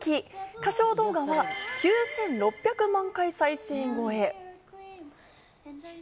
歌唱動画は９６００万回再生超え！